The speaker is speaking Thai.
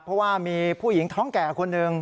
เพราะว่ามีผู้หญิงท้องแก่คนหนึ่ง